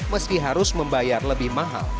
meski harus membayar lebih mahal